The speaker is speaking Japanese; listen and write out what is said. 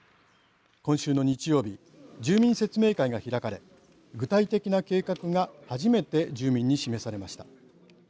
今週の日曜日住民説明会が開かれ具体的な計画が初めて住民に示されました。